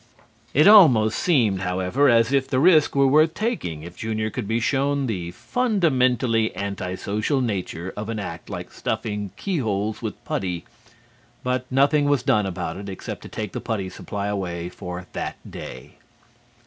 It almost seemed, however, as if the risk were worth taking if Junior could be shown the fundamentally anti social nature of an act like stuffing keyholes with putty, but nothing was done about it except to take the putty supply away for that day.